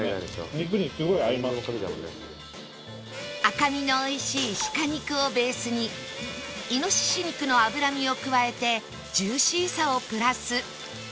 赤身のおいしいシカ肉をベースにイノシシ肉の脂身を加えてジューシーさをプラス